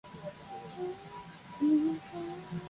静かで、落ち着く、こそっとした秘密の場所を求めて